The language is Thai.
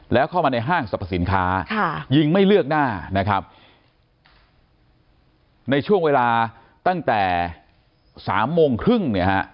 แล้วเข้ามาในห้างสรรพสินค้ายิงไม่เลือกหน้านะครับในช่วงเวลาตั้งแต่สามโมงครึ่งเนี่ยฮะ